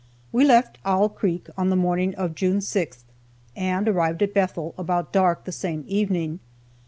We left Owl creek on the morning of June 6th, and arrived at Bethel about dark the same evening.